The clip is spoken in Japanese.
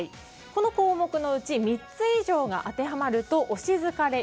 この項目のうち３つ以上が当てはまると推し疲れ